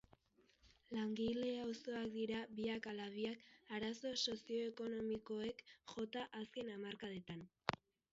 Langile-auzoak dira biak ala biak, arazo sozio-ekonomikoek jota azken hamarkadetan.